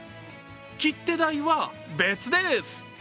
切手代は別です。